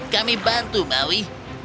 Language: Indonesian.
kami bantu maui